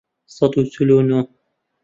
سەد و چل و نۆ